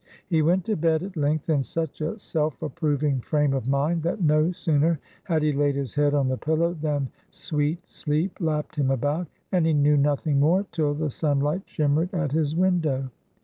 He went to bed, at length, in such a self approving frame of mind that no sooner had he laid his head on the pillow than sweet sleep lapped him about, and he knew nothing more till the sunlight shimmered at his window.